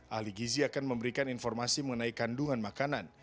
ahli gizi akan memberikan informasi mengenai kandungan makanan